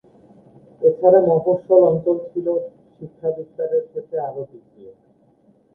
এছাড়া মফস্বল অঞ্চল ছিল শিক্ষা বিস্তারের ক্ষেত্রে আরও পিছিয়ে।